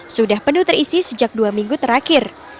sudah penuh terisi sejak dua minggu terakhir